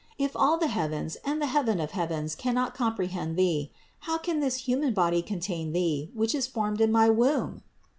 If all the heavens, and the heaven of heavens cannot comprehend Thee, how can this human body contain Thee, which is formed in my womb?"